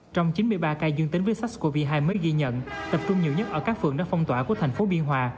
trong chín mươi ba ca dương tính với sars cov hai mới ghi nhận tập trung nhiều nhất ở các phường đã phong tỏa của thành phố biên hòa